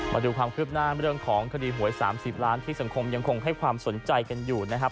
มาดูความคืบหน้าเรื่องของคดีหวย๓๐ล้านที่สังคมยังคงให้ความสนใจกันอยู่นะครับ